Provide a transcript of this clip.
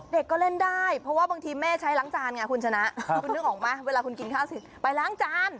เด็กก็เล่นได้เพราะว่าบางทีแม่ใช้ล้างจานไงคุณชนะคุณนึกออกไหมเวลาคุณกินข้าวเสร็จไปล้างจาน